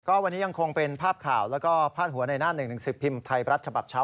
วันนี้ยังคงเป็นภาพข่าวแล้วก็พาดหัวในหน้าหนึ่งหนังสือพิมพ์ไทยรัฐฉบับเช้า